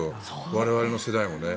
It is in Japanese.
我々の世代でも。